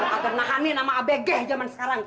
gua kagak nahanin sama abg jaman sekarang